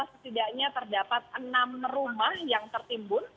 setidaknya terdapat enam rumah yang tertimbun